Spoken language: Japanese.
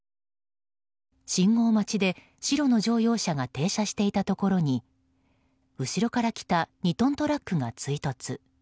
信号待ちで白の乗用車が停車していたところに後ろから来た２トントラックが追突。